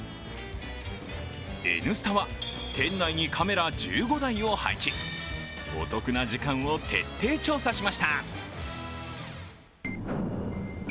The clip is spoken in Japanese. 「Ｎスタ」は店内にカメラ１５台を配置お得な時間を徹底調査しました。